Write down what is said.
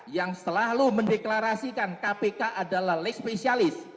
yang selalu mendeklarasikan kpk adalah leg spesialis